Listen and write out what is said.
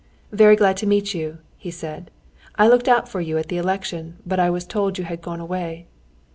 "Very glad to meet you," he said. "I looked out for you at the election, but I was told you had gone away."